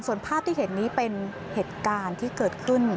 ส่วนภาพที่เห็นนี้เป็นเหตุการณ์ที่เกิดขึ้น